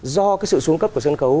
do cái sự xuống cấp của sân khấu